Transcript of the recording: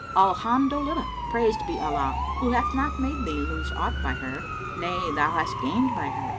Alhamdolillah praised be Allah who hath not made thee lose aught by her! Nay, thou hast gained by her.